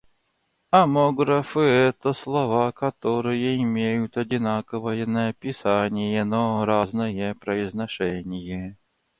Омографы - это слова, которые имеют одинаковое написание, но разное произношение.